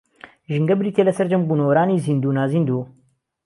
ژینگە بریتییە لە سەرجەم بوونەوەرانی زیندوو و نازیندوو